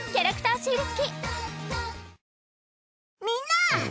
みんな！